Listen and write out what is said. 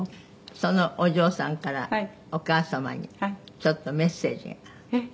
「そのお嬢さんからお母様にちょっとメッセージが来てます」